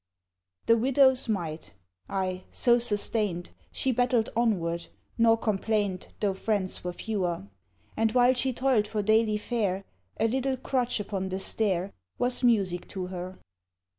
The Widow's Mite ay, so sustained, She battled onward, nor complained, Though friends were fewer: And while she toiled for daily fare, A little crutch upon the stair Was music to her.